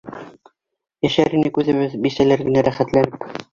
Йәшәр инек үҙебеҙ, бисәләр генә, рәхәтләнеп.